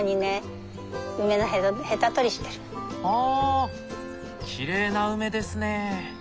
あきれいな梅ですね。